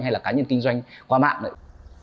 hay là cá nhân kinh doanh qua mạng